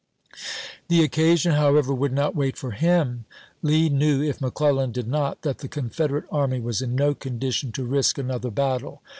^ The occasion, however, would not wait for him. Lee knew, if McClellan did not, that the Confederate army was in no condition to risk another battle.